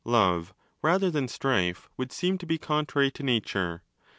Love rather than Strife would seem to be contrary to nature.